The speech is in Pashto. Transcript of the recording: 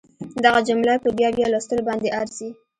دغه جمله په بیا بیا لوستلو باندې ارزي